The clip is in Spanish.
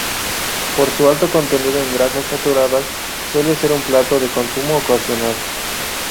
Por su alto contenido en grasas saturadas suele ser un plato de consumo ocasional.